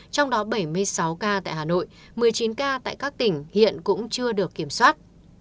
trong đó bảy mươi sáu ca tại hà nội một mươi chín ca tại các tỉnh hiện cũng chưa được kiểm soát